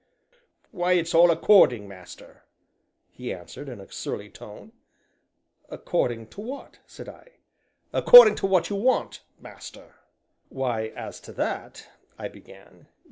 "Why, it's all according, master," he answered, in a surly tone. "According to what?" said I. "According to what you want, master." "Why, as to that " I began.